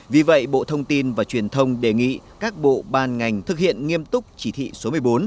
vì vậy bộ thông tin và truyền thông đề nghị các bộ ban ngành thực hiện nghiêm túc chỉ thị số một mươi bốn